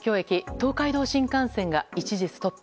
東海道新幹線が一時ストップ。